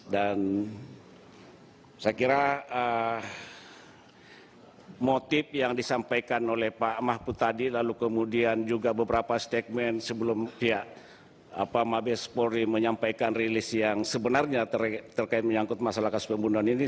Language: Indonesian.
dan saya kira motif yang disampaikan oleh pak mahfud tadi lalu kemudian juga beberapa statement sebelum pihak mabes polri menyampaikan rilis yang sebenarnya terkait menyangkut masalah kasus pembunuhan ini